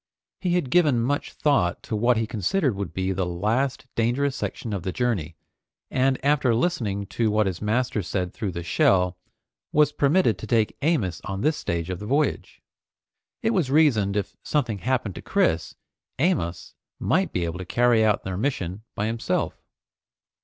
He had given much thought to what he considered would be the last dangerous section of the journey, and after listening to what his master said through the shell, was permitted to take Amos on this stage of the voyage. It was reasoned if something happened to Chris, Amos might be able to carry out their mission by himself.